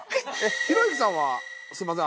ひろゆきさんはすみません